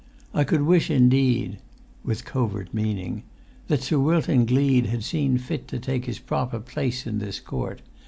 I could wish, indeed"—with covert[Pg 184] meaning—"that Sir Wilton Gleed had seen fit to take his proper place in this court!